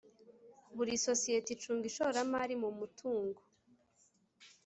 Buri sosiyete icunga ishoramari mu mutungo